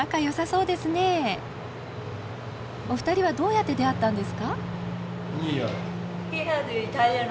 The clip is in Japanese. お二人はどうやって出会ったんですか？